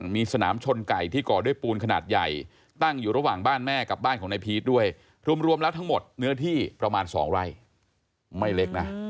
มีสนามชนไก่ที่ก่อด้วยปูนขนาดใหญ่ตั้งอยู่ระหว่างบ้านแม่กับบ้านของนายพีชด้วยรวมแล้วทั้งหมดเนื้อที่ประมาณ๒ไร่ไม่เล็กนะ